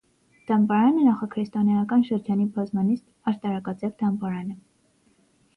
Դամբարանը նախաքրիստոնեական շրջանի բազմանիստ աշտարակաձև դամբարան է։